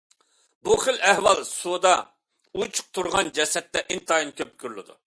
بۇ خىل ئەھۋال سۇدا ئوچۇق تۇرغان جەسەتتە ئىنتايىن كۆپ كۆرۈلىدۇ.